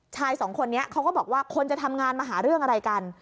ชายสองคนนี้เขาก็บอกว่าคนจะทำงานมาหาเรื่องอะไรกัน